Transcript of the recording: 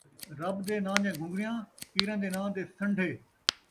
رب دے ناں دے گھن٘گھݨیاں ، پیراں دے ناں دے سن٘ڈھے